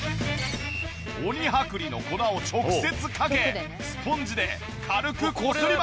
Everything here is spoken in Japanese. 鬼剥離の粉を直接かけスポンジで軽くこすります。